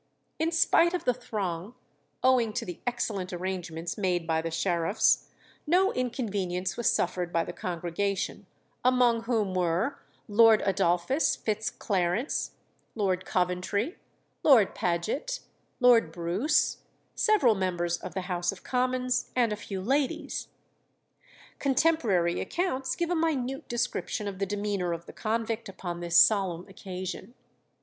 In spite of the throng, owing to the excellent arrangements made by the sheriffs, no inconvenience was suffered by the congregation, among whom were Lord Adolphus Fitz Clarence, Lord Coventry, Lord Paget, Lord Bruce, several members of the House of Commons, and a few ladies. Contemporary accounts give a minute description of the demeanour of the convict upon this solemn occasion.